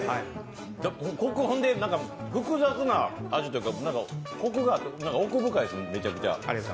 コク、複雑な味というか、コクが奥深いですね、めちゃくちゃ。